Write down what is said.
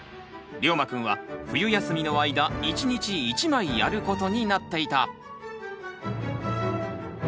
りょうまくんは冬休みの間１日１枚やることになっていた。